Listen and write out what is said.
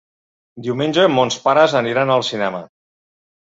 Diumenge mons pares aniran al cinema.